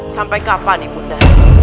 sampai kapan ibunda